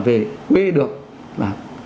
về quê được